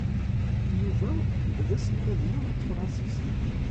Yuba d aselmad-nneɣ n tefṛensist.